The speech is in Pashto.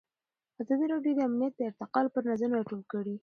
ازادي راډیو د امنیت د ارتقا لپاره نظرونه راټول کړي.